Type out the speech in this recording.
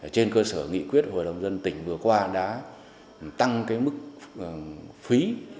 trên cơ sở nghị quyết hội đồng dân tỉnh vừa qua đã tăng mức phí